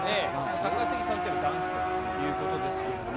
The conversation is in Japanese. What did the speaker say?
高杉さんといえばダンスということですけれども。